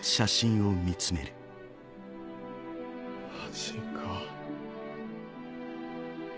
マジか。